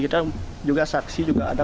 kita juga saksi juga ada